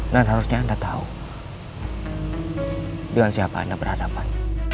dan harusnya anda tahu dengan siapa anda berhadapan